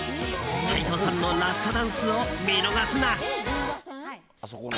齋藤さんのラストダンスを見逃すな。